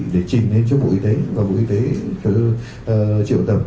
để trình lên cho bộ y tế và bộ y tế triệu tập